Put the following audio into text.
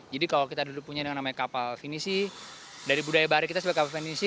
jadi kalau kita duduk punya dengan nama kapal finisi dari budaya barik kita sebagai kapal finisi